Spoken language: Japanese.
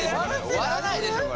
終わらないでしょこれ。